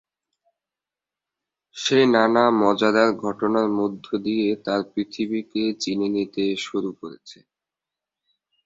সে নানা মজাদার ঘটনার মধ্যে দিয়ে তার পৃথিবীকে চিনে নিতে শুরু করেছে।